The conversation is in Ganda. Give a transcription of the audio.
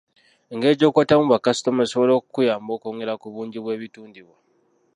Engeri gy’okwatamu bakasitoma esobola okukuyamba okwongera ku bungi bw’ebitundibwa.